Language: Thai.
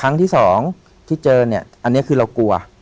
ครั้งที่สองที่เจอเนี่ยอันนี้คือเรากลัว